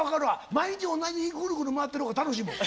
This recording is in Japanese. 毎日同じぐるぐる回ってるほうが楽しいもん。